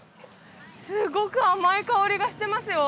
すごく甘い香りがしてますよ！